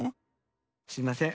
すいません。